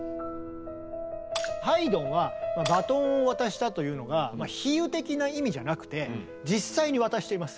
ハイドンはバトンを渡したというのが比喩的な意味じゃなくて実際に渡しています。